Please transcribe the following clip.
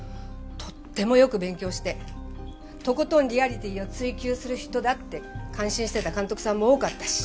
とってもよく勉強してとことんリアリティーを追求する人だって感心してた監督さんも多かったし。